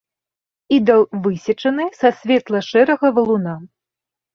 Ідал высечаны са светла-шэрага валуна.